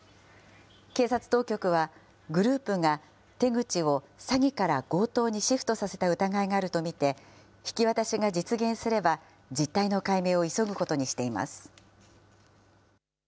警察当局は、グループが手口を詐欺から強盗にシフトさせた疑いがあると見て、引き渡しが実現すれば、実態の解明を急ぐことにしています。